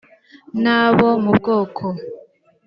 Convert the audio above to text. n abo mu bwoko